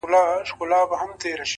گراني اتيا زره صفاته دې په خال کي سته!!